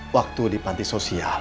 waktu di panti sosial